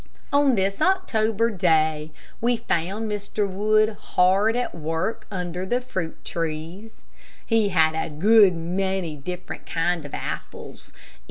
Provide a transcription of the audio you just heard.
On this October day we found Mr. Wood hard at work under the fruit trees. He had a good many different kind of apples.